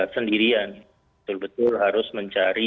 sendirian betul betul harus mencari